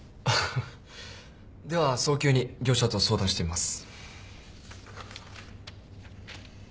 では早急に業者と相談してみます。